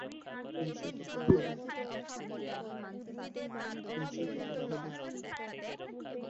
এ পদ্ধতিতে charging current সকল অবস্থায় সমান থাকে।